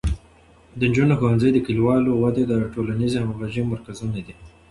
د نجونو ښوونځي د کلیوالو ودې او د ټولنیزې همغږۍ مرکزونه دي.